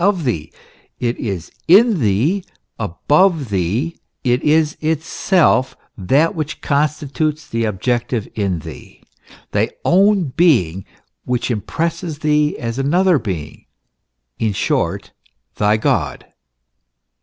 ] 1 of thee ; it is in thee, above thee : it is itself that which con stitutes the objective in thee thy own being which impresses thee as another being ; in short, thy God.